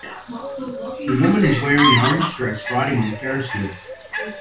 The woman is wearing an orange dress riding on the ferris wheel.